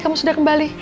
kamu sudah kembali